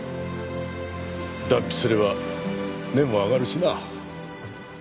断筆すれば値も上がるしな。